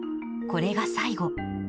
これが最後。